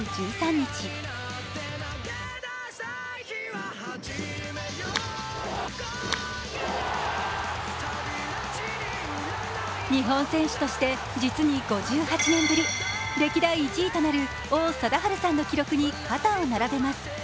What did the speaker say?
日本選手として実に５８年ぶり、歴代１位となる王貞治さんの記録に肩を並べます。